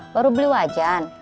baru beli wajan